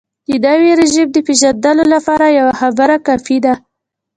د نوي رژیم د پېژندلو لپاره یوه خبره کافي ده.